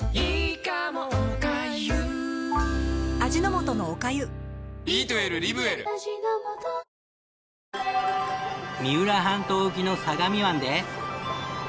味の素のおかゆ三浦半島沖の相模湾で。